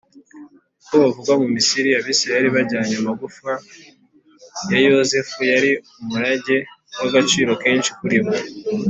ubwo bavaga mu misiri, abisiraheli bajyanye amagufwa ya yosefu yari umurage w’agaciro kenshi kuri bo,